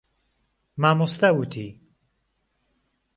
مامۆستا وتی.